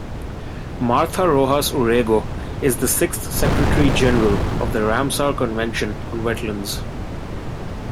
Martha Rojas-Urrego is the sixth Secretary General of the Ramsar Convention on Wetlands.